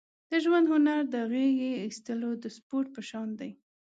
د ژوند هنر د غېږې اېستلو د سپورت په شان دی.